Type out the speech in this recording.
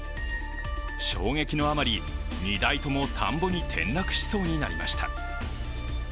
衝撃のあまり、２台とも田んぼに転落しそうになりました。